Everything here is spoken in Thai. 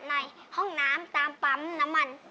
ในห้องน้ำตามปั๊มน้ำมัน